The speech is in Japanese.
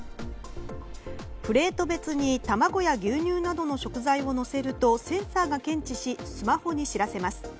プレート別に卵や牛乳などの食材を乗せるとセンサーが検知しスマホに知らせます。